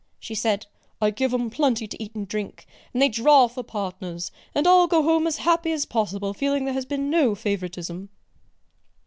She said, "I give 'em plenty to eat and drink, and they draw for partners, and all go home as happy as possible feeling there has been no favouritism!"